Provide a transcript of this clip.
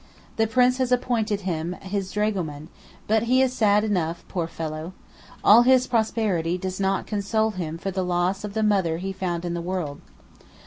The Prince has appointed him his dragoman, but he is sad enough, poor fellow! all his prosperity does not console him for the loss of "the mother he found in the world."